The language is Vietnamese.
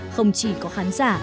không chỉ có khán giả